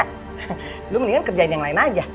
hehehe lu mendingan kerjain yang lain aja